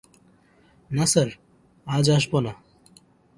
না স্যার, আজ আসব না।